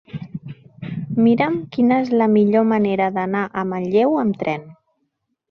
Mira'm quina és la millor manera d'anar a Manlleu amb tren.